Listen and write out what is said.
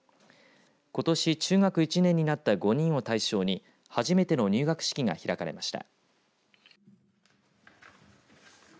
ことし中学１年になった５人を対象に初めての入学式が開かれました。